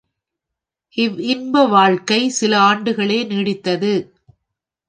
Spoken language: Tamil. இவ் இன்ப வாழ்க்கை சில ஆண்டுகளே நீடித்தது.